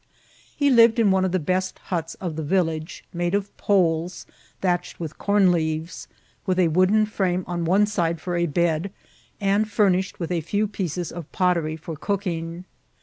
He lived in one of the best huts of the village^ made of poles thatched vrith corn leaves, with a vrooden frame on one side for a bed, and fromished with a few pieces of pottery for cooking.